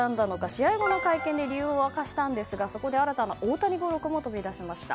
試合後の会見で理由を明かしたんですがそこで新たな大谷語録も飛び出しました。